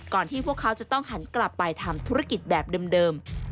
ที่พวกเขาจะต้องหันกลับไปทำธุรกิจแบบเดิม